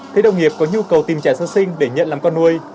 thấy đồng nghiệp có nhu cầu tìm trẻ sơ sinh để nhận làm con nuôi